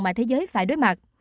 mà thế giới phải đối mặt